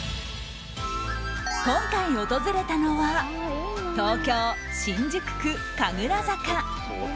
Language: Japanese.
今回訪れたのは東京・新宿区、神楽坂。